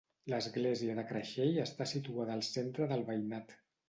L'església de Creixell està situada al centre del veïnat.